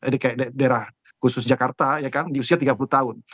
di daerah khusus jakarta di usia tiga puluh tahun